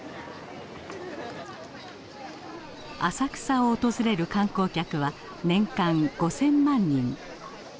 浅草を訪れる観光客は年間５，０００万人。